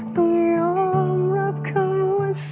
เธอรักเขามาก